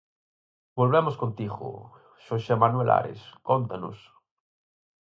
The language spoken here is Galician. Volvemos contigo, Xosé Manuel Ares, cóntanos.